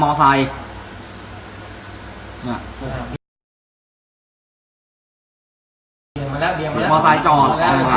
มอสไตล์จอด